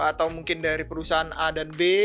atau mungkin dari perusahaan a dan b